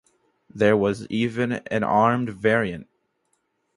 There was even an armored variant.